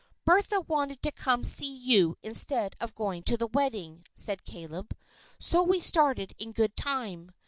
"Bertha wanted to come see you instead of going to the wedding," said Caleb, "so we started in good time.